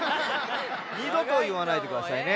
にどといわないでくださいね。